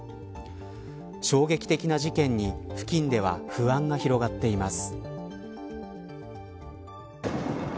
衝撃的な事件に付近では不安が広がっています。